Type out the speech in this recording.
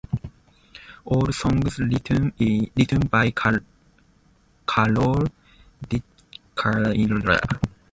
All songs written by Carol Decker and Ron Rogers.